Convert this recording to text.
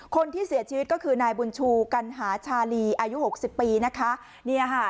คนที่เสียชีวิตก็คือนายบุญชูกัณหาชาลีอายุหกสิบปีนะคะเนี่ยค่ะ